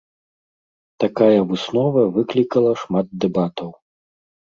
Такая выснова выклікала шмат дэбатаў.